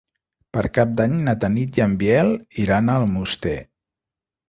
Per Cap d'Any na Tanit i en Biel iran a Almoster.